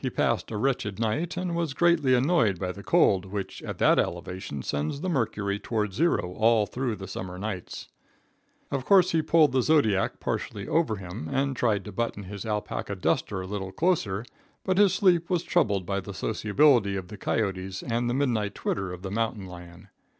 He passed a wretched night, and was greatly annoyed by the cold, which at that elevation sends the mercury toward zero all through the summer nights. Of course he pulled the zodiac partially over him, and tried to button his alapaca duster a little closer, but his sleep was troubled by the sociability of the coyotes and the midnight twitter of the mountain lion.